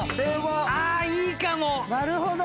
なるほど！